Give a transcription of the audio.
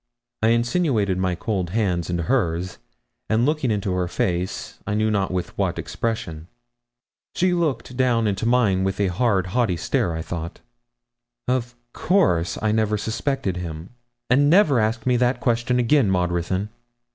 I insinuated my cold hand into hers, and looked into her face I know not with what expression. She looked down into mine with a hard, haughty stare, I thought. 'Of course I never suspected him; and never ask me that question again, Maud Ruthyn.'